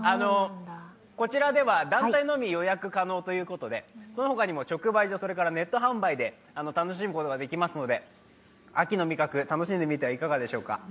こちらでは団体のみ予約可能ということでその他にも直売所それからネット販売で楽しむことできますので秋の味覚、楽しんでみてはいかがでしょうか？